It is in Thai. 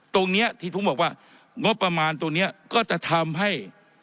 ตรงนี้ที่ผมบอกว่างบประมาณตรงนี้ก็จะทำให้